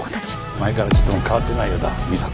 前からちっとも変わっていないようだ美沙子。